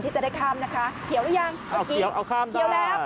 ที่จะได้ข้ามนะคะเขียวหรือยังเอาเขียวเอาข้าม